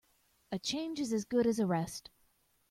A change is as good as a rest.